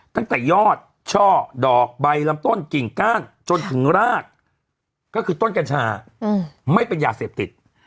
ตั้งแต่ยอดช่อดอกใบลำต้นกิ่งก้านจนถึงรากก็คือต้นกัญชาไม่เป็นยาเสพติด